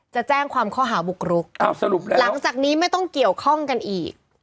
จะแจ้งความข้อหาบุกรุกแล้วหลังจากนี้ไม่ต้องเกี่ยวข้องกันอีก